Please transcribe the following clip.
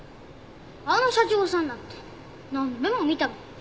あの社長さんなんて何遍も見たもん。